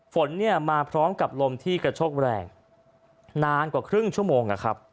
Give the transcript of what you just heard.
ฝนเนี่ยมาพร้อมกับลมที่กระโชกแรงนานกว่าครึ่งชั่วโมงนะครับ